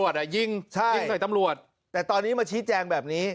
เดี๋ยวก่อนนะพี่เบิ้ด